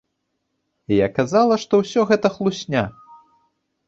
Я казала, што ўсё гэта хлусня.